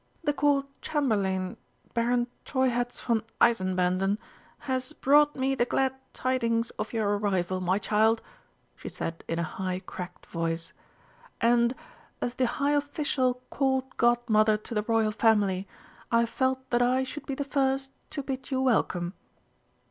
"The Court Chamberlain, Baron Treuherz von Eisenbänden, has brought me the glad tidings of your arrival, my child," she said in a high cracked voice, "and, as the high official Court Godmother to the Royal Family, I felt that I should be the first to bid you welcome."